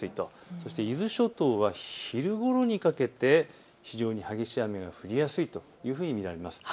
そして伊豆諸島は昼ごろにかけて非常に激しい雨が降りやすいというふうに見られます。